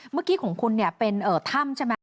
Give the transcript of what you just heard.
เมื่อกี้ของคุณเป็นถ้ำใช่ไหม